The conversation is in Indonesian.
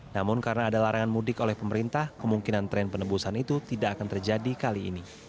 namun karena ada larangan mudik oleh pemerintah kemungkinan tren penebusan itu tidak akan terjadi kali ini